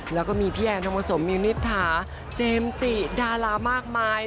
แล้วก็มีพี่แอนทองผสมมิวนิษฐาเจมส์จิดารามากมาย